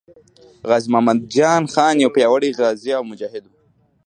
غازي محمد جان خان یو پیاوړی غازي او مجاهد وو.